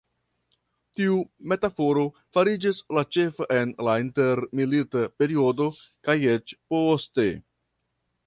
Tiu metaforo fariĝis la ĉefa en la intermilita periodo kaj eĉ poste.